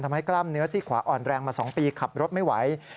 กล้ามเนื้อซี่ขวาอ่อนแรงมา๒ปีขับรถไม่ไหว